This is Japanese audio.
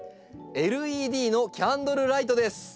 ＬＥＤのキャンドルライトです。